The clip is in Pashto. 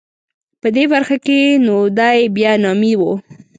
په دې برخه کې نو دای بیا نامي و.